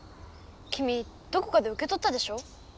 きみどこかでうけとったでしょ？